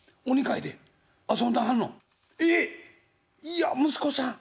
いや息子さん？